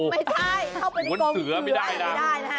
ไม่ใช่เข้าไปในกรงเผื่อไม่ได้นะคะ